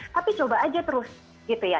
tapi coba aja terus gitu ya